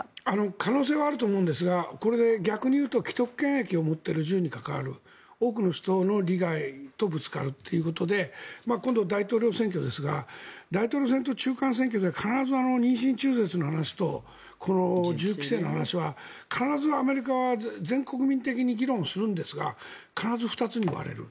可能性はあると思うんですが、逆に言うと既得権益を持っている銃に関わる多くの人の利害とぶつかるということで今度、大統領選挙ですが大統領選と中間選挙で必ず妊娠中絶の話と銃規制の話は必ずアメリカは全国民的に議論するんですが必ず２つに割れる。